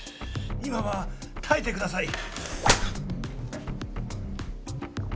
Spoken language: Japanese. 「今は耐えてください」